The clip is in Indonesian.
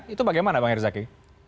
itu bagaimana pak herzaki